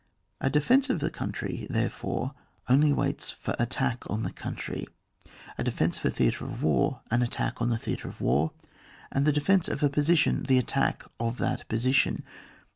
A defence of the country, therefore, only waits for attack on the country ; a defence of a theatre of war an attack on the theatre of war ; and the defence of a position the attack of that position.